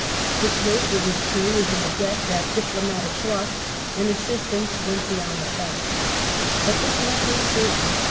The Turk, it is true, is an adept at diplomatic " bluff," and " assis tance " went beyond the facts. But this much is certain.